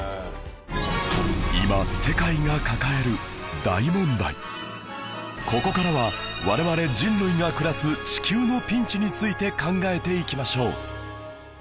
今ここからは我々人類が暮らす地球のピンチについて考えていきましょう